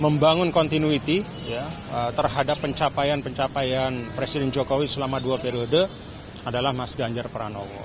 membangun continuity terhadap pencapaian pencapaian presiden jokowi selama dua periode adalah mas ganjar pranowo